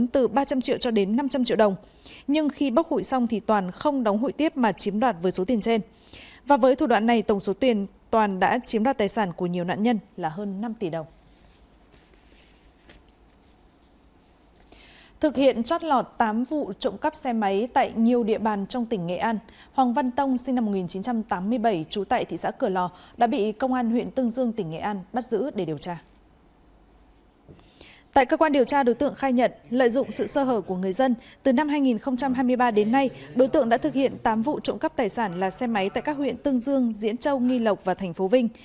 từ năm hai nghìn hai mươi ba đến nay đối tượng đã thực hiện tám vụ trộm cắp tài sản là xe máy tại các huyện tương dương diễn châu nghi lộc và tp vinh